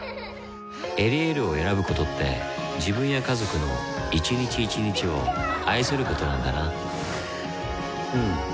「エリエール」を選ぶことって自分や家族の一日一日を愛することなんだなうん。